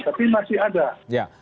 tapi masih ada